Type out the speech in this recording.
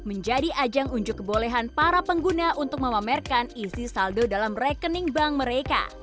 menjadi ajang unjuk kebolehan para pengguna untuk memamerkan isi saldo dalam rekening bank mereka